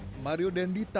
kisah kisah dari dapi posora